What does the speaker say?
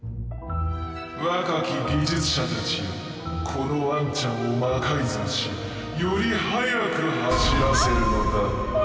若き技術者たちよこのワンちゃんを魔改造しより速く走らせるのだ。